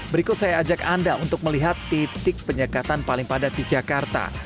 berikut saya ajak anda untuk melihat titik penyekatan paling padat di jakarta